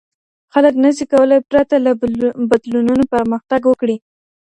خلګ نشي کولای پرته له بدلونونو پرمختګ وکړي.